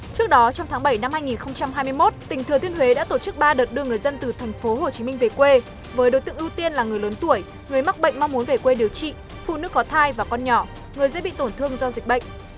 trước đó trong tháng bảy năm hai nghìn hai mươi một tỉnh thừa thiên huế đã tổ chức ba đợt đưa người dân từ tp hcm về quê với đối tượng ưu tiên là người lớn tuổi người mắc bệnh mong muốn về quê điều trị phụ nữ có thai và con nhỏ người dễ bị tổn thương do dịch bệnh